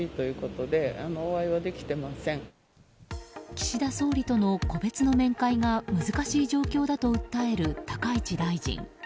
岸田総理との個別の面会が難しい状況だと訴える高市大臣。